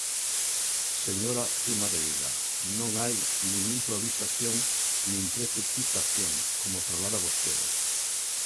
Señora Cimadevila, non hai nin improvisación nin precipitación, como traslada vostede.